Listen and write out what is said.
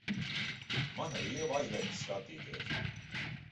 Man ar Ievu aizliegts skatīties!